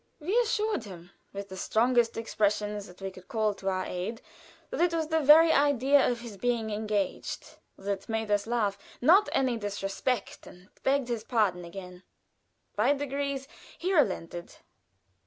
We assured him, with the strongest expressions that we could call to our aid, that it was the very idea of his being engaged that made us laugh not any disrespect, and begged his pardon again. By degrees he relented.